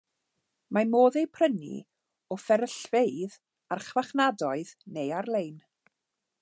Mae modd eu prynu o fferyllfeydd, archfarchnadoedd neu ar-lein.